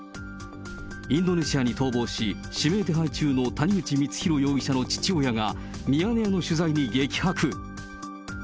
インドネシアに逃亡し、指名手配中の谷口光弘容疑者の父親が、ミヤネ屋の取材に激白。